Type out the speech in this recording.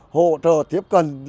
hỗ trợ tiếp cận